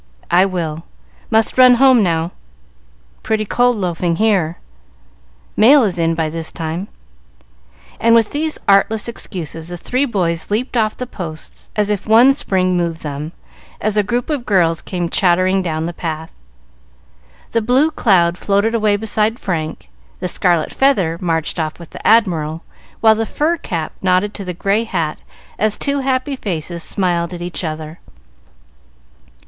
"I will. Must run home now." "Pretty cold loafing here." "Mail is in by this time." And with these artless excuses the three boys leaped off the posts, as if one spring moved them, as a group of girls came chattering down the path. The blue cloud floated away beside Frank, the scarlet feather marched off with the Admiral, while the fur cap nodded to the gray hat as two happy faces smiled at each other.